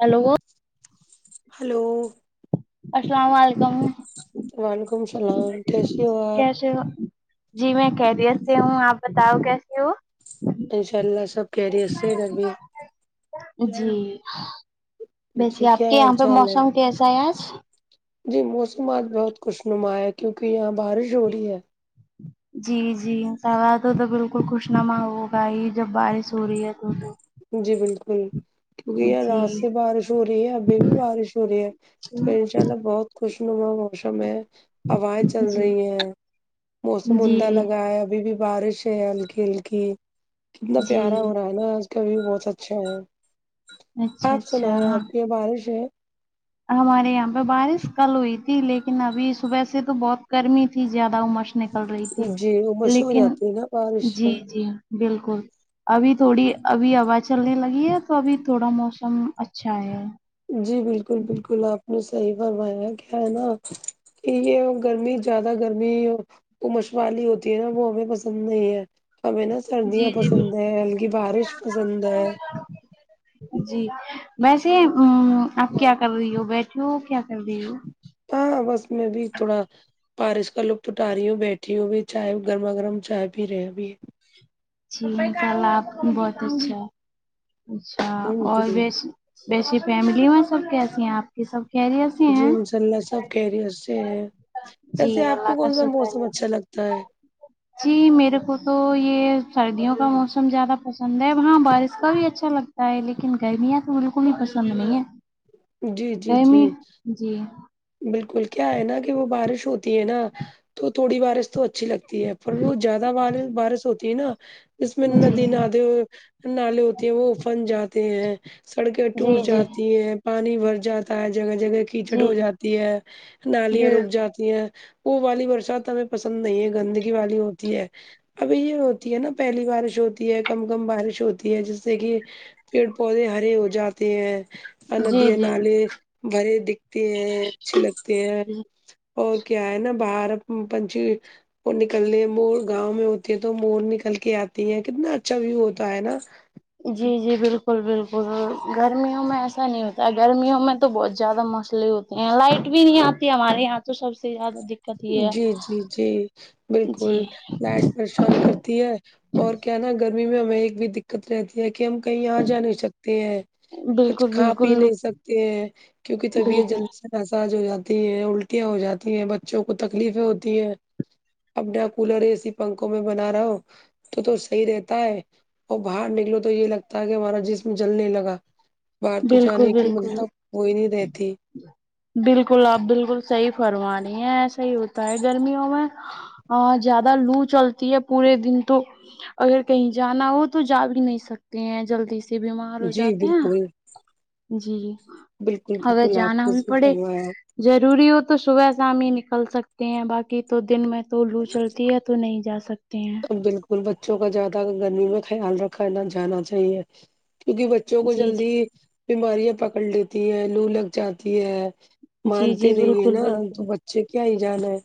hello hello السلام و علیکم وعلیکم السلام کیشی ہو آپ اچھا جی میں کیریت سے ہوں آپ بتاؤ کیسی ہو انشاء اللہ سب کہریت سے ادہر بھی جی جی وسے آپ کیا کے حال یہاں پہ چال ہے موسم کیسا ہے آج جی موسم آج بہت خوش نما ہے کیونکہ یہاں بارش ہو رہی ہے جی جی انشاء اللہ تو تو بالکل خوش نما ہوگا ہی جب بارش ہو رہی ہے تو تو جی بالکل کیونکہ یاہے رات جی سے بارش ہو رہی ہے ابھی بھی بارش ہو رہی ہے تو چلو بہت خوش نما موشم ہے ہوائیں چل جی رہی ہیں موسم عمدہ جی لگا ہے ابھی بھی بارش ہے ہلکی ہلکی کتنا جی پیارا ہو رہا ہے نا آج کا ویو بہت اچھا ہے اچھا آپ سنا ہے اچھا آپ کی یہ بارش ہے ہمارے یہاں پہ بارش کل ہوئی تھی لیکن ابھی صبح سے تو بہت گرمی تھی زیادہمش نکل رہی تھی جی امس ہو لیکن جاتی ہے نا بارش جی سے جی بالکل ابھی تھوڑی ابھی ہوا چلنے لگی ہے تو ابھی تھوڑا موسم اچھا ہے جی بالکل بالکل آپ صحی فرمایا کیا ہے نا کہ یہ گرمی جایادہ گرمی وہ مشوالی ہوتی ہے نا وہ ہمیں پسند نہیں ہے ہمیں نا جی سردیاں جی بالکل پسند ہے ہلکی بارش پسند ہے جی ویسے ا آپ کیا کر رہی ہو بیٹھی ہو کیا کر رہی ہو ہاں بس میں بھی تھوڑا بارش کا لطف اٹا رہی ہوں بیٹھی ہوں ا بھی چائے گرما گرم چائے پی رہے ہیں ا بھی جی انتا اللہ بہت اچھا اچھا اور جی بھی بیسی فیملی میں سب کیسی ہیں آپ کی سب کیریرت سے جی ہیں انشاء اللہ سب کیریئرت سے ہے جی ویسے ہے آپ اللہ کو کا کون سا شکر موسم ہے اچھا لگتا ہے جی میرے کو تو یہ سردیوں کا موسم زیادہ پسند ہے وہاں بارش کا بھی اچھا لگ ہے لیکن گرمیاں تو بالکل ہی پسند نہیں ہے جی جی جی رحمی جی بالکل کیا ہے نا کہ وہ بارش ہوتی ہے نا تو تھوڑی بارش تو اچھی لگتی ہے پر وہ زیادہ ب بارش ہوتی ہے اس میں میں جی ندی نادے نالے ہوتے ہیں وہ افن جاتے ہیں سڑکیں ٹوٹ جی جی جاتی ہیں پانی بھر جاتا ہے جگہ جگہ کیچڑ جی ہو جاتی ہے نالیاں جی رک جاتی ہیں ا والی برسات تو ہمیں پسند نہیں ہے گندگی والی ہوتی ہے ابھی یہ ہوتی ہے نا پہلی بارش ہوتی ہے کم کم بارش ہوتی ہے جس سے کہ پیڑ پودے ہرے ہو جاتے ہیں اور جی ندیاں نالے جی بھرے دکھتے ہیں اچھے لگتے ہیں اور کیا ہے نا باہر پنچی وہ نکلنے مور گاؤں میں ہوتی ہے تو مور نکل کے آتی ہیں کتنا اچھا ویو ہوتا ہے نا جی جی بالکل بالکل گرمیوں میں ایسا نہیں ہوتا گرمیوں میں تو بہت زیادہ مسئلے ہوتے لائٹ بھی نہیں آتی ہمارے یہاں تو سب سے زیادہ د جی جی جی بالکل جی لایٹ پریشان کرتی ہے اور کیا نا گرمی میں ہمیں ایک بھی د دقت رہتی ہے کہ ہم کہیں یہاں جا نہیں سکتے ہیں کچھ بالکل کھا پی بالکل نہیں سکتے ہیں کیونکہ طبیعت بالکل جل محساج ہو جاتی ہیں الٹیاں ہو جاتی ہیں بچوں کو تکلیفیں ہوتی ہیں اپنا کولر ایسی پنکھوں میں بنا رہا ہو تو تو صحیح رہتا ہے اور باہر نکلو تو یہ لگتا ہے کہ ہمارا جسم جلنے لگا باہر تو بالکل جانے کی بالکل مطلب وہئی نہیں رہتی بالکل آپ بالکل صحیح فرما رہے ہیں ایسا ہی ہوتا ہے گرمیوں میں ا زیادہ لو چلتی ہے پورے دن تو اگر کہیں جانا ہو تو جا بھی نہیں سکتے ہیں جلدی سے جب بیمار ہو جی جاتے ہیں بالکل جی بالکل اگر بالکل آپ جانا نے بھی سے پڑے فرمایا ہے ضروری ہو تو صبح شام ہی نکل سکتے ہیں باقی تو دن میں تو لو چلتی ہے تو نہیں جا سکتے ہیں بالکل بچوں کا زیادہ گرمی میں خیال رکھا نہ جانا چاہیے کیونکہ ب بچوں کو جی جلدی جی بیماریاں پکڑ لیتی ہیں لو لگ جاتی ہے جی مانتے جی نہیں ہیں بالکل نا بالکل تو بچے کیا ہی جانا ہے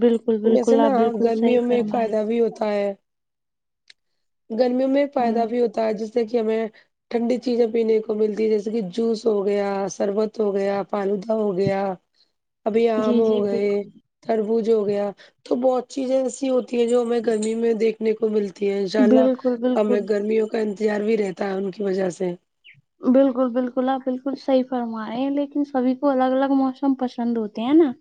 بالکل جیسے بالکل نا آپ بالکل صحیح گرمیوں میں فرما رہے فائدہ ہ بھی ہوتا ہے گرمیوں میں فائدہ بھی ہوتا ہے جس سے کہ ہمیں ٹھنڈی چیزیں پینے کو ملتی ہے جیسے کہ جوس ہو گیا شربت ہو گیا فالودہ ہو گیا ابھی آم جی ہو جی گئے بالکل تربوز ہو گیا تو بہت چیزیں ایسی ہوتی ہیں جو ہمیں گرمی میں دیکھ کو ملتی ہے ان شاء اللہ بالکل ہمیں بالکل گرمیوں کا انتظار بھی رہتا ہے ان کی وجہ سے بالکل بالکل آپ بالکل صحیح فرما رہے ہیں لیکن سبھی کو الگ الگ موسم پسند ہوتا نا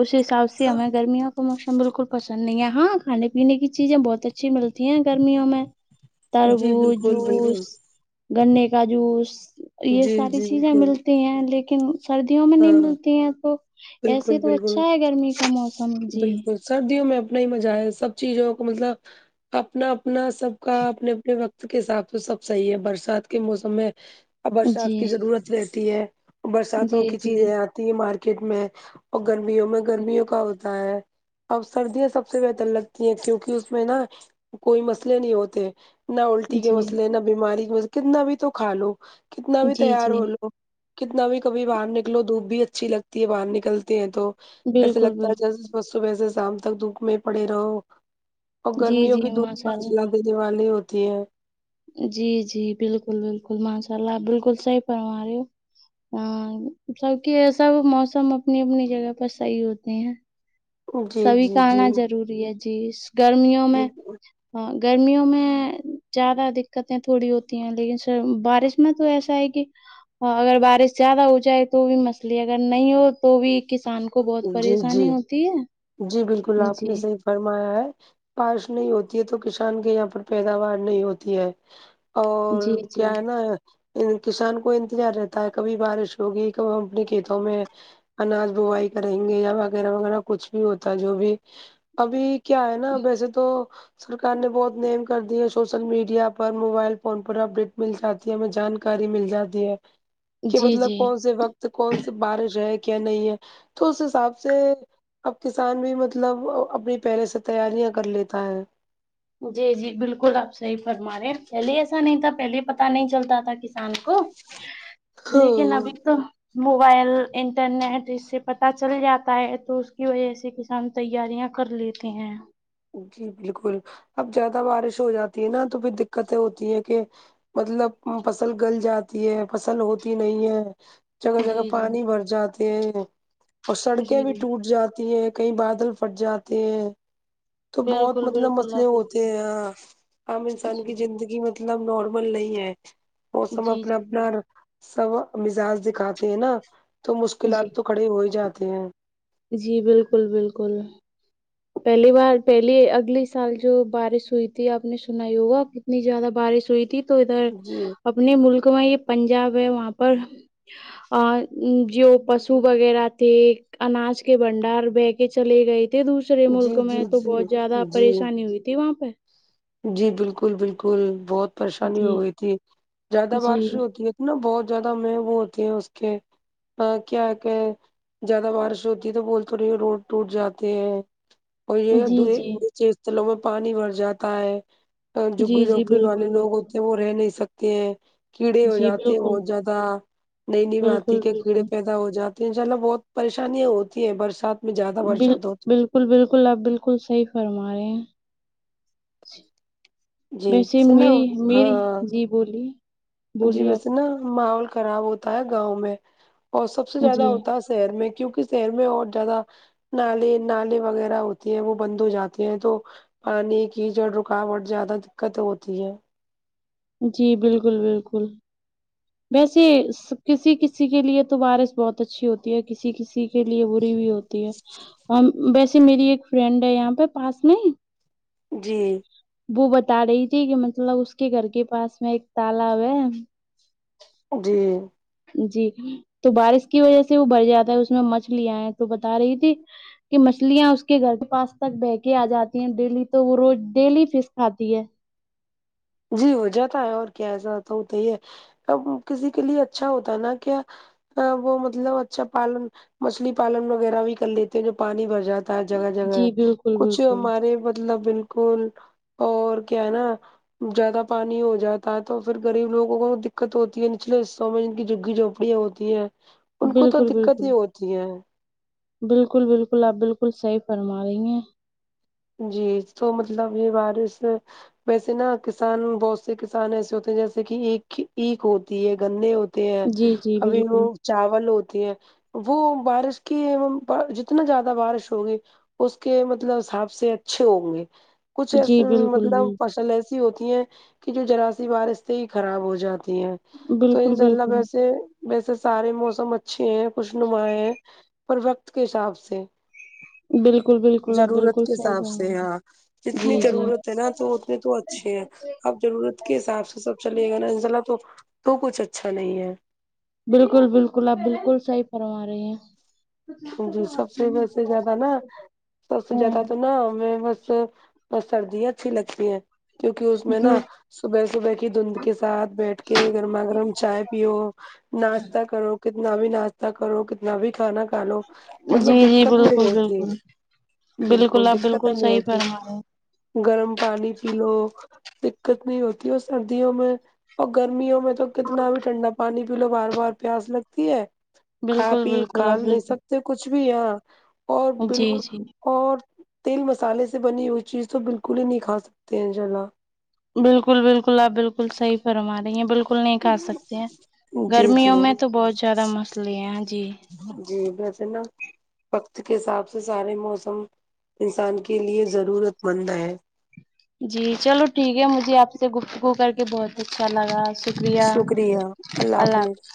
اس حساب سے ہاں ہمیں گرمیوں تو موسم بالکل پسند نہیں ہے ہاں کھانے پینے کی چیزیں بہت اچھی ملتی ہیں گرمیوں میں جی تربو بالکل جوس بالکل گنے کا جوس یہ جی ساری جی چیزیں بالکل مل تی ہیں لیکن سردیوں میں نہیں ہاں ملتی ہیں تو بالکل ایسے تو بالکل اچھا ہے گرمی کا موسم جی بالکل سردیوں میں اپنا ہی مزہ ہے سب چیزوں کو مطلب اپنا اپنا سب کا اپنے اپنے وقت کے حساب تو سب صحیح ہے برسات کے موسم میں برسات جی کی ضرورت رہتی ہے برساتوں جی کی جی چیزیں آتی ہیں مارکیٹ میں اور گرمیوں میں گرمیوں کا ہوتا ہے اب سردیاں سب سے بہتر لگتی ہیں کیونکہ اس میں نا کوئی مسئلے نہیں ہوتے نہ الٹی کے جی مسئلے نہ بیماری کے مسئلے کتنا بھی تو کھا لو کتنا بھی جی تیار جی ہو لو کتنا بھی کبھی باہر نکلو دھوپ بھی اچھی لگتی ہے باہر نکلتی ہیں تو ایسے بالکل لگتا ہے بالکل جس و صبح سے شام تک دھوپ میں پڑے رہو اور جی گرمیوں کی جی دوپ ماشاء اللہ جلا دینے والی ہوتی ہیں جی جی بالکل بالکل ماشاء اللہ بالکل صحیح فرما رہی ہو ہاں سب کی ایسا موسم اپنی اپنی جگہ پر صحیح ہوتے ہیں جی سبھی جی کا آنا جی ضروری ہے جی گرمیوں میں ہاں گرمیوں میں زیادہ دقتیں تھوڑی ہوتی ہیں لیکن بارش اتنا تو ایسا ہے کہ ہاں اگر بارش زیادہ ہو جائے تو بھی مسئلہ اگر نہیں ہو تو بھی کسان کو کو بہت جی جی پریشانی ہوتی ہے جی بالکل آپ نے جی صحیح فرمایا ہے بارش نہیں ہوتی ہے تو کسان کے یہاں پر پیداوار نہیں ہوتی ہے اور جی جی کیا ہے نا کسان کو انتظار رہتا ہے کبھی بارش ہوگی کب ہم اپنے کھیتوں میں اناج بوائی کریں گے یا وغیرہ وغیرہ کچھ بھی ہوتا ہے جو بھی ابھی کیا ہے نا ویسے تو سرکار نے بہت نیم کر دیے ہیں سوشل میڈیا پر موبائل فون پر اپڈیٹ مل جاتا جی ہمیں جانکاری مل جاتی ہے کی جی مطلب جی کون سے وقت کون سی بارش ہے کیا نہیں ہے تو اس حساب سے اب کسان بھی مطلب اپنی پہیلے سے تیاریاں کر لیتا ہے جی جی بالکل آپ صحی فرما رہے ہیں پہلے ایسا نہیں تھا پہلے پتہ نہیں چلتا تھا ک شان کو لیکن ہاں ابھی تو موبائل انٹرنیٹ اس سے پتا چل جاتا ہے تو اس کی وجہ سے ک ہم تیاریاں کر لیتے ہیں جی بالکل اب زیادہ بارش ہو جاتی ہے نا تو پھر دقتیں ہوتی ہے کے مطلب فصل گل جاتی ہے فصل ہوتی نہیں ہے جگہ جگہ جی پانی جی بھر جاتے ہیں اور سڑکیں بھی جی ٹوٹ جاتی ہیں کہیں بادل فٹ جاتے ہیں تو بہت بالکل مطلب بالکل مسلے آپ ہوتے بالکل ہیں ہاں عام انسان جی کی زندگی مطلب مطلب نارمل نہیں ہے موسم جی اپنا اپنا جی سب مزاج دکھاتے ہیں نا تو جی مشکلات تو کھڑے ہو ہی جاتے ہیں جی بالکل بالکل پہلی بار پہلی اگلے سال جو بارش ہوئی تھی آپ نے سناہی ہوگا کتنی زیادہ بارش ہوئی تھی تو ادھر جی اپنے ملک میں یے پنجاب ہے وہاں پر آ جو پشو وغیرہ تھے اناج کے بنڈار بہے کے چلے گئے تھے دوسرے دوسرے جی ملک جی میں تو بہت جی زیادہ جی پریشانی ہوئی تھی وہاں پے جی بالکل بالکل بہت پریشانی ہو جی گئی تھی زیادہ جی بارش ہوتی ہے نا بہت زیادہ مے وہ ہوتی ہیں اس کے کیا کہ زیادہ بارش ہوتی ہے تو بول تو رہی روڈ ٹوٹ جاتے ہیں اور یے جی جی نیچے استلوں میں پانی بھر جاتا ہے جگی جی جی جھوپی والے بالکل لوگ بالکل ہوتے ہیں رہ نہیں سکتے ہیں کیڑے ہو جی جاتے ہیں بالکل بہت زیادہ نئی نئی باتتی بالکل کہ کیڑے بالکل پے دا ہو جاتے ہے ہیں ان شاء اللہ بہت پریشانیاں ہوتی ہیں برسات میں زیادہ بل برسات ہوتی بالکل بالکل آپ بالکل صحیح فرما رہے ہیں جی ویسے نا میری میری ہاں جی بولیے جی بولیے ویسے نا ماحول خراب ہوتا ہے گاؤں میں اور سب سے آپ زیادہ جی ہوتا ہے شہر میں کیونکی شہر میں اور زیادہ نالے نالے وغیرہ ہوتے ہیں وہ بند ہو جاتے ہیں تو پانی کی جو رکاوٹ زیادہ دقت ہوتی ہے جی بالکل بالکل ویسے کسی کسی کے لیے تو باریس بہت اچھی ہوتی ہے کسی کسی کے لیے بری بھی ہوتی تی ہے ویسے میری ایک فرینڈ ہے یہاں پے پاس نہیں جی وہ بتا رہی تھی کی مطلب اس کے گھر کے پاس میں ایک تالاب ہے جی جی تو بارش کی وجہ سے وہ بر جاتا ہے اس میں مچھلیا آئے تو بتا رہی تھی کی مچھلیاں اس کے گھر کے پاس تک بہے کے آ جاتی ہیں ڈیلی تو وہ روز ڈیلی فش کھاتی ہے جی ہو جاتا ہے اور کیا ایسا تو ہوتا ہی ہے اب کسی کے لیے اچھا ہوتا ہے نا کیا وہ مطلب اچھا پالن مچھلی پالن وغیرہ بھی کر لیتے ہیں جو پانی بھر جاتا جگہ جگہ جی بالکل کچھ بالکل ہمارے مطلب بالکل اور کیا ہے نا زیادہ پانی ہو جاتا ہے تو فیر غریب لوگوں کو دقت ہوتی ہے نچلے حصوں میں جن کی جگی جھونپڑیاں ہوتی تی ہے ان کو تو بالکل دکت ہی بالکل ہوتی ہے بالکل بالکل آپ بالکل صحیح فرما رہی ہیں جی تو مطلب یہ بارش ویسے نا کسان بہت سے کسان ایسے ہوتے ہیں جیسے کہ ایکھ ہوتی ہے گنے ہو تےہے جی جی ابھی وہ بالکل چاول ہوتی ہے وہ بارش کی ام جتنا زیادہ بارش ہوگی اس کے مطلب حصاب سے اچھے ہوں گے کچھ اس جی بالکل مطلب فصل ہوتی ہیں کہ جو ذرا سی بارش سے ہی خراب ہو جاتی ہے تو بالکل انشاء اللہ بالکل ویسے سارے موسم اچھے ہیں خوش نما ہیں پر وقت کےحساب سے بالکل بالکل ہاں ضرورت بالکل کے صحیح حساب فرما رہی سے ہیں ہاں جتنی جی جی ضرورت نا تو اتنے تو اچھے ہیں اب ضرورت کے حساب سے سب چلے گا نا انشاء اللہ تو کچھ اچھا نہیں ہے بالکل بالکل آپ بالکل صحیح فرما رہی ہیں جی سب سے ویسے زیادہ نا سب سے زیادہ ہوں تو نا میں بس اور سردیا اچھی لگتی ہیں کیونکہ اس میں جی نا صبح صبح کی دھند کے ساتھ بیٹھ کے گرما گرم چائے پیو ناشتہ کرو کتنا بھی ناشتہ کرو کتنا بھی کھانا کھا لو جی مطلب جی دکت نہیں بالکل ہوتی بالکل بالکل آپ دکت بالکل نہیں صحیح ہوتی فرما رہے ہیں گرم پانی پی لو دکت نہیں ہوتی اور سردیوں میں اور گرمیوں میں تو کتنا بھی ٹھنڈا پانی پی لو بار بار پیاس لگتی ہے کھا بالکل پی بالکل آپ کام بالکل لےسکتے کچھ بھی یہاں اور جی بالکل جی اور تیل مسالے سے بنی ہوئی چیز تو بالکل ہی نہیں کھا سکتے ہیں انشاء اللہ بالکل بالکل آپ بالکل صحیح فرما رہی ہیں بالکل بالکل نہیں کھا سکتے ہیں جی گرمیوں جی میں تو بہت زیادہ مسلے ہیں جی جی ویسے نا وقت کے حساب سے سارے موسم انسان کے لیے ضرورت مند ہے جی چلو ٹھیک ہے مجھے آپ سے گفتگو کر کے بہت اچھا لگا شکریہ اللہ حافظ